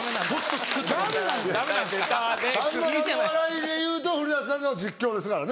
さんまさんの笑いでいうと古さんの実況ですからね。